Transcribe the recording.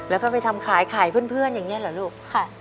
แล้วก็ไปทำขายขายเพื่อนอย่างนี้เหรอลูกค่ะ